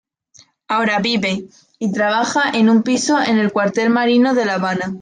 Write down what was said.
Ahora, vive y trabaja en un piso en el cuartel Mariano de La Habana.